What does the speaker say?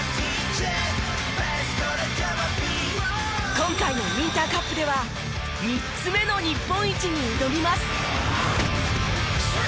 今回のウインターカップでは３つ目の日本一に挑みます。